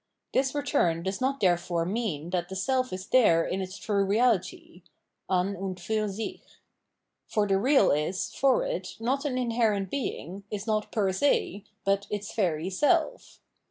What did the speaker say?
This return does not therefore mean that the self is there in its true reality {an und fur sick) : for the real is, for it, not an inherent being, is no per se, but its very self.